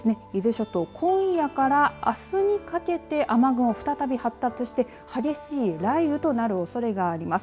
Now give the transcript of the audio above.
伊豆諸島今夜からあすにかけて雨雲再び発達して激しい雷雨となるおそれがあります。